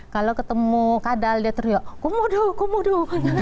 kalau ketemu kadal dia teriak komodo komodo